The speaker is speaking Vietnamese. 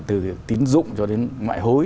từ tín dụng cho đến ngoại hối